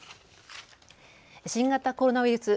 新型コロナウイルス。